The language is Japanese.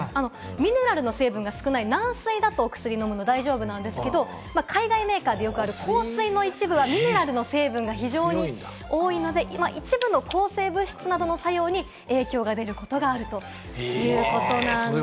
ミネラルの成分が少ない軟水なら大丈夫なんですが、海外メーカーでよくある硬水の一部は、ミネラルの成分が非常に多いため、一部の抗生物質などの作用に影響が出ることがあるということなんです。